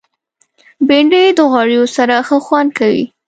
بېنډۍ د غوړیو سره ښه خوند کوي